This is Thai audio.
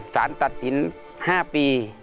สารตัดสิน๕ปี